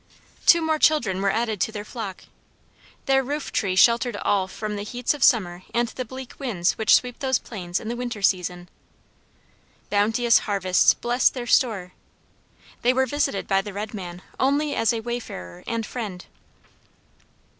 Two more children were added to their flock. Their roof tree sheltered all from the heats of summer and the bleak winds which sweep those plains in the winter season. Bounteous harvests blessed their store. They were visited by the red man only as a wayfarer and friend.